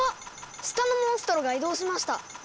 下のモンストロが移動しました。